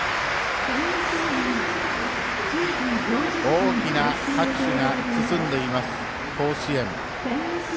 大きな拍手が包んでいます甲子園。